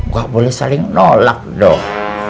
gak boleh saling nolak dong